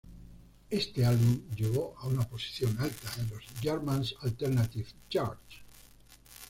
Este álbum llegó a una posición alta en los German Alternative Charts.